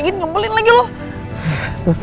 diem udah diem